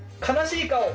悲しい顔。